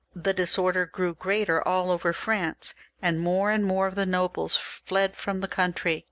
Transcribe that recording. The disorder grew greater all over France, and more and more of the nobles fled from the country.